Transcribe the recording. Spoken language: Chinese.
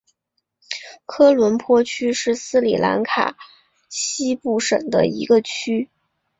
科伦坡区是斯里兰卡西部省的一个区。